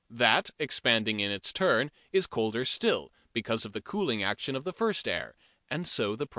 That, expanding in its turn, is colder still, because of the cooling action of the first air, and so the process goes on.